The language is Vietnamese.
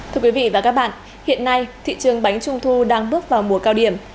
thưa quý vị và các bạn hiện nay thị trường bánh trung thu đang bước vào mùa cao điểm